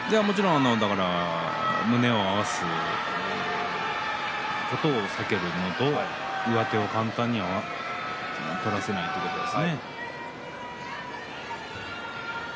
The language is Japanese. もちろん胸を合わせることを避けるのと上手を簡単に取らせないということですね。